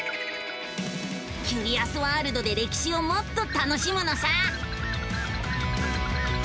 キュリアスワールドで歴史をもっと楽しむのさ！